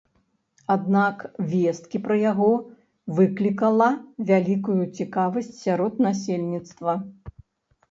Аднак весткі пра яго выклікала вялікую цікавасць сярод насельніцтва.